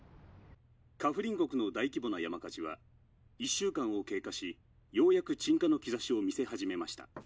カフリン国の大規模な山火事は１週間を経過しようやく鎮火の兆しをみせ始めました。